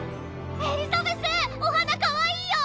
エリザベスお花かわいいよ。